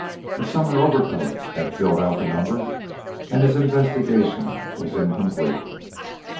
A summer overcoat had filled out the number, and his investigation was incomplete.